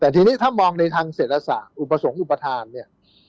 แต่ทีนี้ถ้ามองในทางเศรษฐศาสตร์อุปสรรคอุปทานเนี่ย